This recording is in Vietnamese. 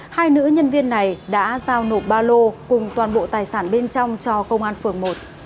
hai nữ nhân viên này đã giao nộp ba lô cùng toàn bộ tài sản bên trong cho công an phường một